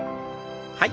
はい。